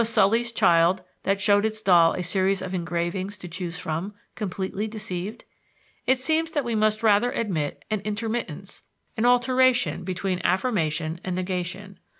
Was Sully's child, that showed its doll a series of engravings to choose from, completely deceived? It seems that we must rather admit an intermittence, an alteration between affirmation and negation.